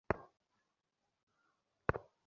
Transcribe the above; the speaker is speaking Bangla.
সে বিশেষরূপেই প্রয়োজনীয়তার দর্শন শিখেছে।